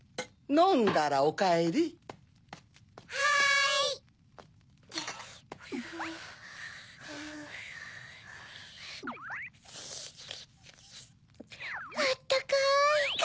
あったかい。